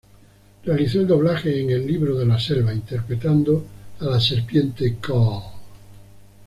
Realizó el doblaje en "El libro de la selva" interpretando a la serpiente Kaa.